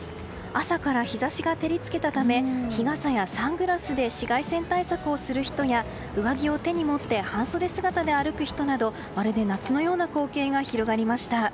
朝から日差しが照り付けたため日傘やサングラスで紫外線対策をする人や上着を手に持って半袖姿で歩く人などまるで夏のような光景が広がりました。